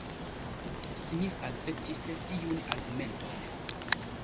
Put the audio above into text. Smith akceptis tiun argumenton.